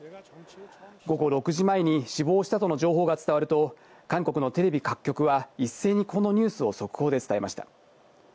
午後６時前に死亡したとの情報が伝わると、韓国のテレビ各局は一斉にこのニュースを速報で伝えました。